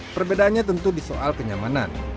perbedaannya tentu di soal kenyamanan